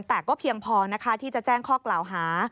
แต่ก็เพียงพอนะคะที่จะแจ้งข้อกล่าวหา